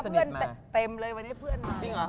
เพื่อนเต็มเลยวันนี้คุณมา